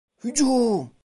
Hücum!